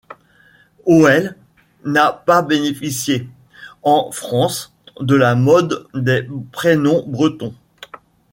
Hoel n'a pas bénéficié, en France, de la mode des prénoms bretons.